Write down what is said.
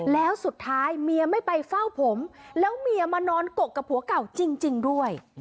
แล้วสุดท้ายเมียไม่ไปเฝ้าผมแล้วเมียมานอนกกกับผัวเก่าจริงด้วย